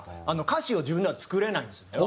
歌詞を自分では作れないんですよね